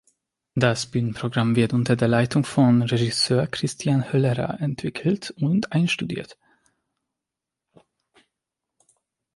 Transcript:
Das Bühnenprogramm wird unter der Leitung von Regisseur Christian Höllerer entwickelt und einstudiert.